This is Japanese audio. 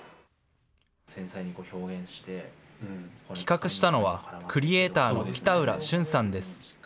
企画したのはクリエーターの北浦俊さんです。